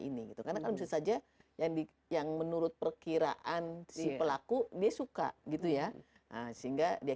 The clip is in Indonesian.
ini gitu karena kan bisa saja yang di yang menurut perkiraan si pelaku dia suka gitu ya sehingga dia